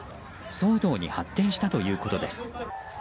騒動に発展したということです。